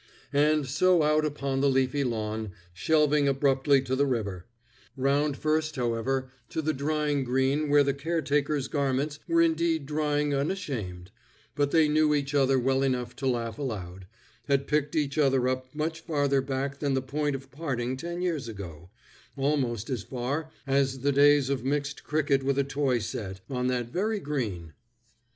And so out upon the leafy lawn, shelving abruptly to the river; round first, however, to the drying green where the caretakers' garments were indeed drying unashamed; but they knew each other well enough to laugh aloud, had picked each other up much farther back than the point of parting ten years ago, almost as far as the days of mixed cricket with a toy set, on that very green.